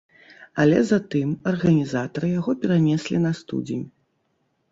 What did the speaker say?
Але затым арганізатары яго перанеслі на студзень.